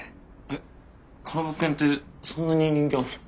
えっこの物件ってそんなに人気あんの？